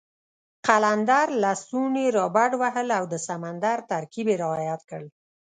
قلندر لسټوني را بډ وهل او د سمندر ترکیب یې رعایت کړ.